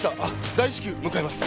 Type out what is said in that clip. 大至急向かいます。